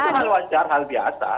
ini wajar hal biasa